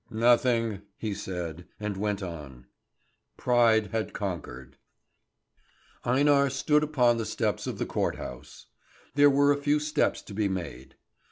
"Nothing!" he said, and went on. Pride had conquered. Einar stood upon the steps of the court house. There were a few steps to be made.